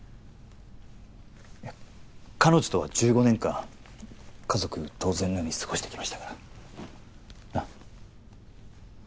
いや彼女とは１５年間家族同然のように過ごしてきましたからなっ？